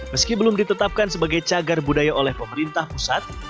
meski belum ditetapkan sebagai cagar budaya oleh pemerintah pusat